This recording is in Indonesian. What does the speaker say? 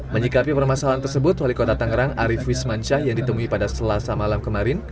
menyikapi permasalahan tersebut wali kota tangerang arief wismansyah yang ditemui pada selasa malam kemarin